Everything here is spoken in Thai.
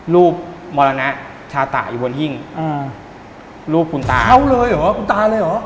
มรณะชาตะอยู่บนหิ้งอ่ารูปคุณตาเขาเลยเหรอคุณตาเลยเหรอ